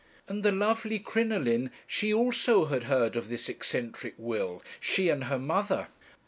"And the lovely Crinoline, she also had heard of this eccentric will; she and her mother.